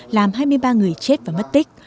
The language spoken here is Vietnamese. làm hai mươi ba người chết và mất tích